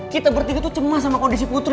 kita bertiga itu cemas sama kondisi putri